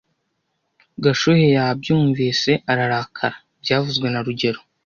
Gashuhe yabyumvise ararakara byavuzwe na rugero